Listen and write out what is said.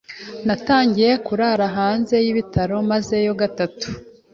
natangiye kurara hanze y’ibitaro mazeyo gatatu